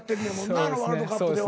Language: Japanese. あのワールドカップでは。